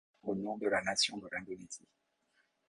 Au nom de la nation de l'Indonésie.